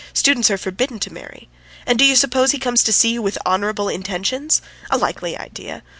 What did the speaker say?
Students are forbidden to marry. And do you suppose he comes to see you with honourable intentions? A likely idea!